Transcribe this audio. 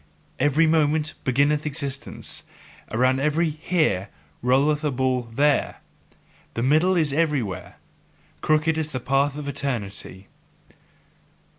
Every moment beginneth existence, around every 'Here' rolleth the ball 'There.' The middle is everywhere. Crooked is the path of eternity."